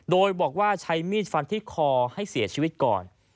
โดยบอกว่าใช้มีดฟันที่คอให้เสียชีวิตก่อน